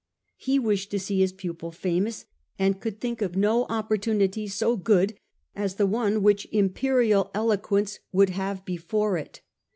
He wished to see his lousy of pupil famous, and could think of no oppor tunities so good as the one which imperial eloquence would have before it.